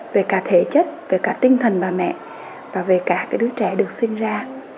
về cả thể chất về cả tinh thần bà mẹ và về cả cái đứa trẻ được sinh ra